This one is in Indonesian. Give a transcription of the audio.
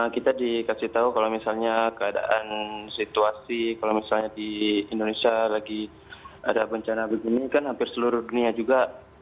kita dikasih tahu kalau misalnya keadaan situasi kalau misalnya di indonesia lagi ada bencana begini kan hampir seluruh dunia juga